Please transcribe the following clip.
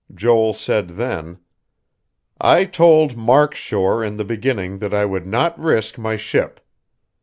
Joel said then: "I told Mark Shore in the beginning that I would not risk my ship.